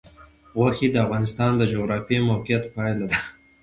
غوښې د افغانستان د جغرافیایي موقیعت پایله ده.